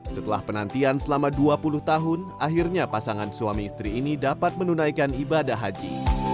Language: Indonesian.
setelah penantian selama dua puluh tahun akhirnya pasangan suami istri ini dapat menunaikan ibadah haji